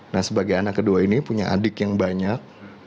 nah sebagai anak kedua ini punya adik yang banyak